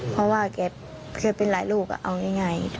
เพราะว่าแกเคยเป็นหลายลูกเอาง่าย